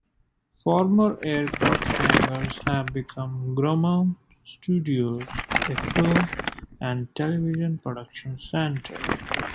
Former aircraft hangars have become Grumman Studios, a film and television production center.